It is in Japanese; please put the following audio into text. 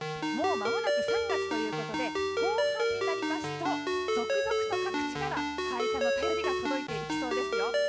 もうまもなく３月ということで後半になりますと続々と各地から開花の便りが届いてきそうですよ。